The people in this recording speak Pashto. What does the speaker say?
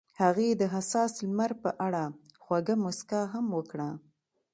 هغې د حساس لمر په اړه خوږه موسکا هم وکړه.